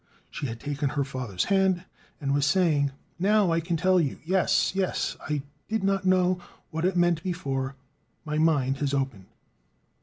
She had taken her father's hand, and was saying: "Now I can tell you, yes, yes; I did not know what it meant before; my mind has opened."